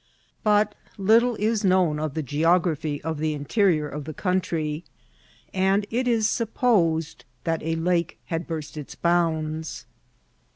But little is known of the geography of the interior of the country, and it is supposed that a lake had burst its bounds.